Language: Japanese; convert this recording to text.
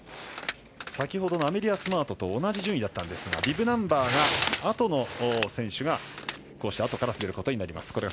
先ほどのアメリア・スマートと同じ順位でしたがビブナンバーがあとの選手があとから滑ることになります。